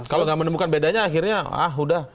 kalau nggak menemukan bedanya akhirnya ah udah